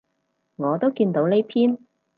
我都見到呢篇